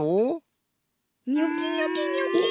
ニョキニョキニョキッ！